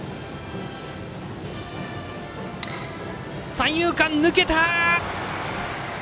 三遊間、抜けた！